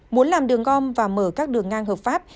muốn làm đường gom và mở các đường ngang hợp pháp